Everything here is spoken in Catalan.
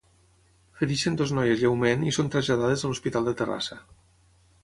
Fereixen dues noies lleument i són traslladades a l'Hospital de Terrassa.